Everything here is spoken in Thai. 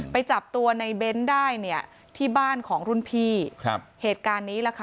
ไปจับตัวในเบ้นได้เนี่ยที่บ้านของรุ่นพี่ครับเหตุการณ์นี้แหละค่ะ